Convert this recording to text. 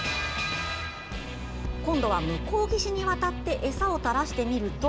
今度は向こう岸に渡って餌を垂らしてみると。